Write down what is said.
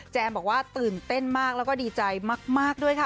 บอกว่าตื่นเต้นมากแล้วก็ดีใจมากด้วยค่ะ